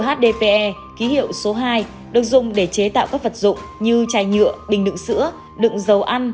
hdpe ký hiệu số hai được dùng để chế tạo các vật dụng như chai nhựa bình đựng sữa đựng dầu ăn